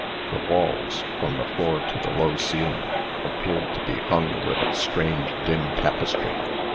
The walls, from the floor to the low ceiling, appeared to be hung with a strange, dim tapestry.